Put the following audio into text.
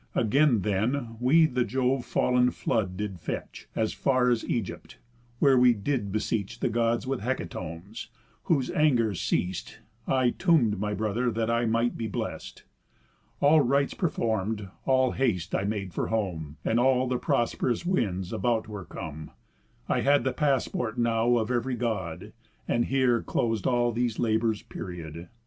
Again then we the Jove fall'n flood did fetch, As far as Ægypt; where we did beseech The Gods with hecatombs; whose angers ceast, I tomb'd my brother that I might be blest. All rites perform'd, all haste I made for home, And all the prosp'rous winds about were come, I had the passport now of ev'ry God, And here clos'd all these labours' period.